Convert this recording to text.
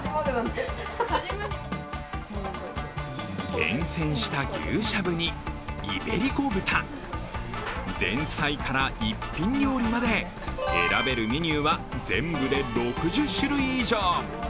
厳選した牛しゃぶに、イベリコ豚前菜から一品料理まで選べるメニューは全部で６０種類以上。